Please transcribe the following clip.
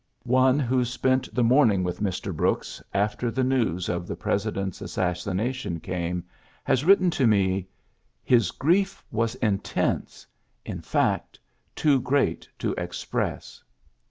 One who spent the morn ing with Mr. Brooks after the news of the President's assassination came has written to me, ^^His grief was intense in fact, too great to express.''